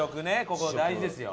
ここ大事ですよ。